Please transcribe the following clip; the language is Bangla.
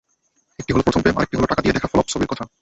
একটি হলো প্রথম প্রেম, আরেকটি হলো টাকা দিয়ে দেখা ফ্লপ ছবির কথা।